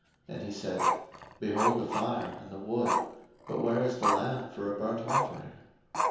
And he said, Behold the fire and the wood: but where is the lamb for a burnt offering?